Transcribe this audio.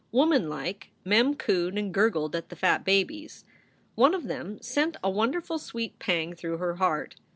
Womanlike, Mem cooed and gurgled at the fat babies. One of them sent a wonderful sweet pang through her heart.